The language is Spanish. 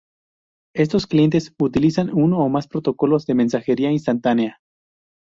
Estos clientes utilizan uno o más protocolos de mensajería instantánea.